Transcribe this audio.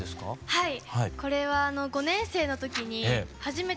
はい。